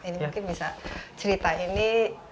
ini mungkin bisa cerita ini